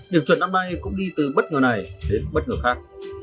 điểm chuẩn năm nay cũng đi từ bất ngờ này đến bất ngờ khác